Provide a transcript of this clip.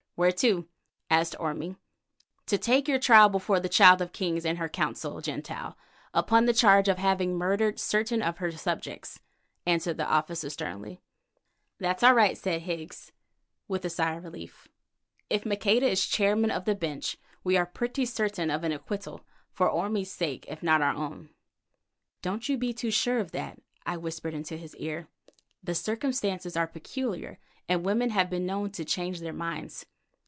"Where to?" asked Orme. "To take your trial before the Child of Kings and her Council, Gentile, upon the charge of having murdered certain of her subjects," answered the officer sternly. "That's all right," said Higgs with a sigh of relief. "If Maqueda is chairman of the Bench we are pretty certain of an acquittal, for Orme's sake if not for our own." "Don't you be too sure of that," I whispered into his ear. "The circumstances are peculiar, and women have been known to change their minds."